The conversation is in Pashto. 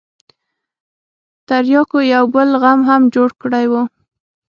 ترياکو يو بل غم هم جوړ کړى و.